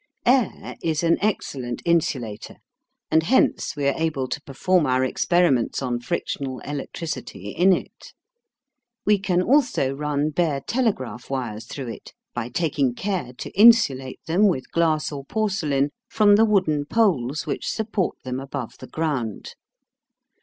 Air is an excellent insulator, and hence we are able to perform our experiments on frictional electricity in it. We can also run bare telegraph wires through it, by taking care to insulate them with glass or porcelain from the wooden poles which support them above the ground.